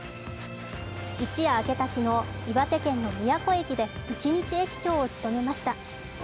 一夜明けた昨日、岩手県の宮古駅で一日駅長を務めました。